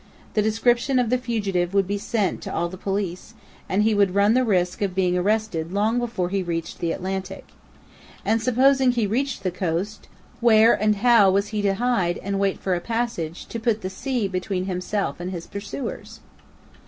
The description of the fugitive would be sent to all the police, and he would run the risk of being arrested long before he reached the Atlantic. And supposing he reached the coast, where and how was he to hide and wait for a passage to put the sea between himself and his pursuers?